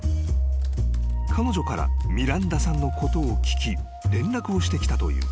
［彼女からミランダさんのことを聞き連絡をしてきたという］